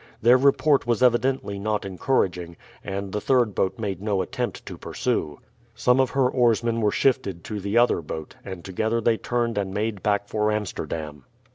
Their report was evidently not encouraging, and the third boat made no attempt to pursue. Some of her oarsmen were shifted to the other boat, and together they turned and made back for Amsterdam.